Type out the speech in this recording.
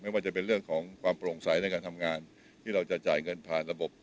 ว่าจะเป็นเรื่องของความโปร่งใสในการทำงานที่เราจะจ่ายเงินผ่านระบบ